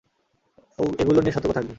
এগুলো নিয়ে সতর্ক থাকবি।